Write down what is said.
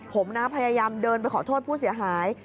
ผมนะพยายามเดินไปขอโทษผู้เสียหาย